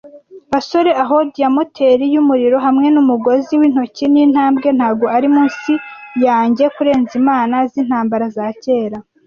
Basore ahold ya moteri yumuriro hamwe nu mugozi wintoki-nintambwe ntago ari munsi yanjye kurenza imana zintambara za kera,